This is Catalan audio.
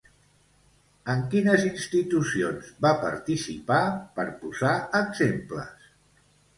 En quines institucions va participar, per posar exemples?